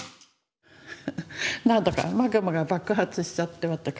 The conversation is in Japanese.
なんだかマグマが爆発しちゃって私。